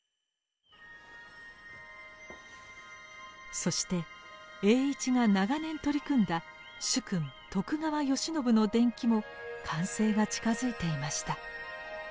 そして栄一が長年取り組んだ主君徳川慶喜の伝記も完成が近づいていました。